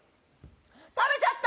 食べちゃった！